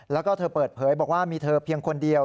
แล้วก็เธอเปิดเผยบอกว่ามีเธอเพียงคนเดียว